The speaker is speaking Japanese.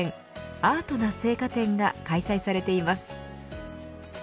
アートな青果展が開催されています。